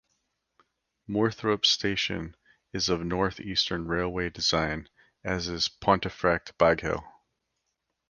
Moorthorpe station is of North Eastern Railway design, as is Pontefract Baghill.